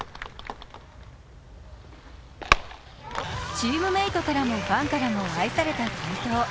チームメイトからもファンからも愛された斎藤。